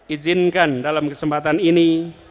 ijinkan dalam kesempatan ini